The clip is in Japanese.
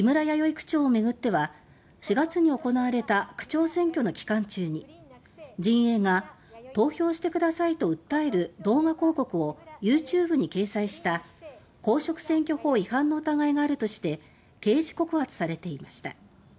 区長を巡っては４月に行われた区長選挙の期間中に陣営が「投票してください」と訴える動画広告をユーチューブに掲載した公職選挙法違反の疑いがあるとして刑事告発されていました。